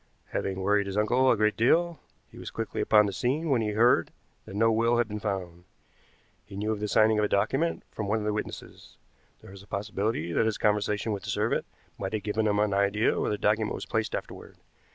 Having worried his uncle a great deal, he was quickly upon the scene when he heard that no will had been found. He knew of the signing of a document from one of the witnesses. There is a possibility that his conversation with the servant might have given him an idea where the document was placed afterward.